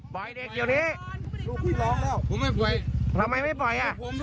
พี่เรียกสำรวจมาไหม